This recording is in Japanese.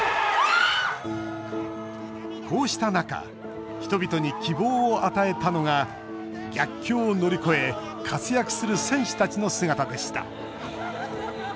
こうした中人々に希望を与えたのが逆境を乗り越え活躍する選手たちの姿でした。